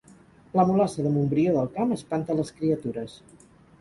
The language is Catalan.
La mulassa de Montbrió del Camp espanta les criatures